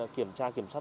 kiểm tra kiểm soát